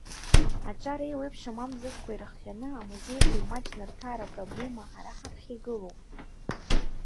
Аҿар, еиуеиԥшым амзызқәа ирыхҟьаны амузеиқәа имаҷны рҭаара апроблема ҳара ҳаԥхьа игылоуп.